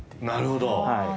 なるほど！